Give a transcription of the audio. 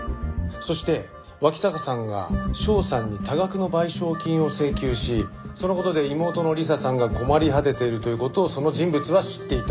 そして脇坂さんが翔さんに多額の賠償金を請求しその事で妹の理彩さんが困り果てているという事をその人物は知っていた。